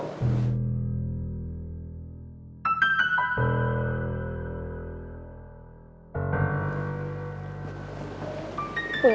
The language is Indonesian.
pernah ngerjain disini